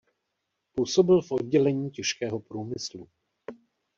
Působil v oddělení těžkého průmyslu.